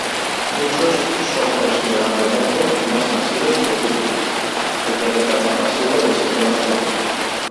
Muchos son considerablemente más masivos que Júpiter, el planeta más masivo del sistema solar.